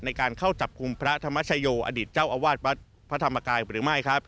ในการเข้าจับกลุ่มพระธรรมชโยอดีตเจ้าอาวาสวัดพระธรรมกายหรือไม่ครับ